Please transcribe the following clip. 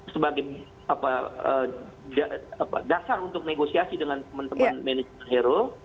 sebagai dasar untuk negosiasi dengan teman teman manajemen hero